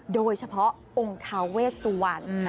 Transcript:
โดยเฉพาะองค์ทาเวสวรรณ